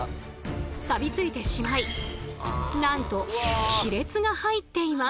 サビ付いてしまいなんと亀裂が入っています。